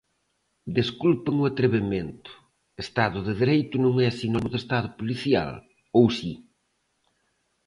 Desculpen o atrevemento: estado de dereito non é sinónimo de estado policial, ¿ou si?